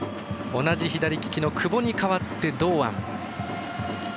同じ左利きの久保に代わって堂安。